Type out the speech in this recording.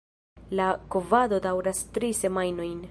La kovado daŭras tri semajnojn.